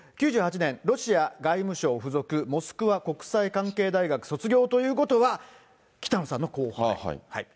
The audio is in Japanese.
９８年、ロシア外務省付属モスクワ国際関係大学卒業ということは、北野さんの後輩。